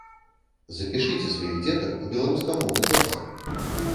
Запішыце сваіх дзетак у беларускамоўны клас!